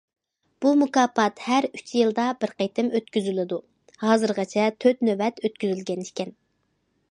بۇ مۇكاپات ھەر ئۈچ يىلدا بىر قېتىم ئۆتكۈزۈلىدۇ، ھازىرغىچە تۆت نۆۋەت ئۆتكۈزۈلگەن ئىكەن.